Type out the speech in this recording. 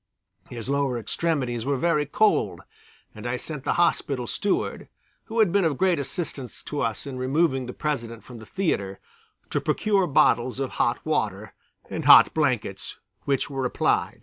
His lower extremities were very cold and I sent the Hospital Steward, who had been of great assistance to us in removing the President from the theatre, to procure bottles of hot water and hot blankets, which were applied.